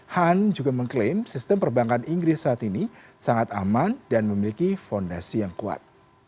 han juga mengklaim sistem perbankan inggris saat ini sangat aman dan memiliki fondasi yang kuat